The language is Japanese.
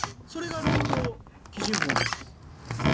それが「労働基準法」なんです。